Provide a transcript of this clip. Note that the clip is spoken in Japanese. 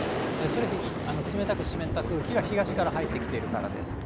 それ、冷たく湿った空気が東から入ってきているからです。